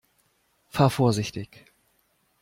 Fahr vorsichtig!